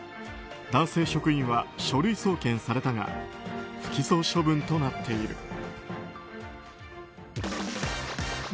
男性職員は書類送検されたが不起訴処分となっている。